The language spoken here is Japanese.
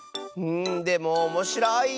でもおもしろい！